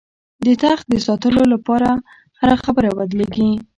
د تخت د ساتلو لپاره هره خبره بدلېږي.